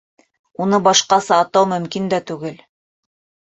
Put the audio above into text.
Уны башҡаса атау мөмкин дә түгел.